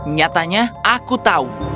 nyatanya aku tahu